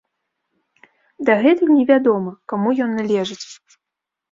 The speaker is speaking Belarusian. Дагэтуль невядома, каму ён належыць.